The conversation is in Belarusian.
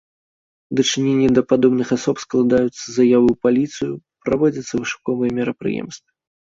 У дачыненні да падобных асоб складаюцца заявы ў паліцыю, праводзяцца вышуковыя мерапрыемствы.